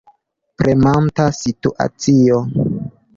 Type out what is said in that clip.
Premanta situacio.